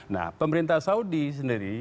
nah pemerintah saudi sendiri